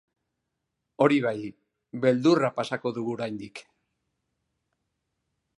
Hori bai, beldurra pasako dugu oraindik.